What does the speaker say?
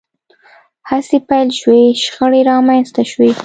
هڅې پیل شوې شخړې رامنځته شوې